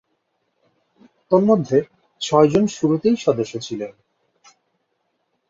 তন্মধ্যে, ছয়জন শুরুতেই সদস্য ছিলেন।